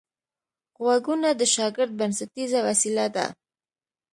غوږونه د شاګرد بنسټیزه وسیله ده